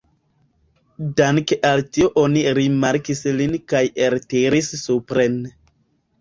Danke al tio oni rimarkis lin kaj eltiris supren.